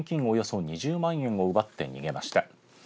およそ２０万円を奪って逃げました。